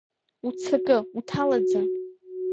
Уццакы, уҭал аӡы!